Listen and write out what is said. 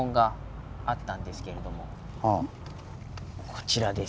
こちらです。